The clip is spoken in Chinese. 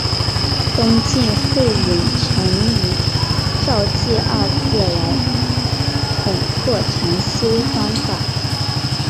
东晋慧远曾以照寂二字来统括禅修方法。